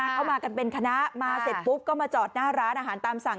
เขามากันเป็นคณะมาเสร็จปุ๊บก็มาจอดหน้าร้านอาหารตามสั่ง